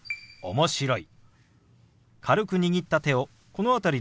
「面白い」。